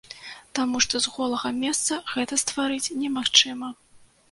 Таму што з голага месца гэта стварыць немагчыма.